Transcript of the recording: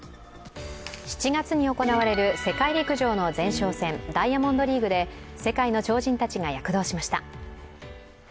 ７月に行われる世界陸上の前哨戦ダイヤモンドリーグで世界の超人たちが躍動しました。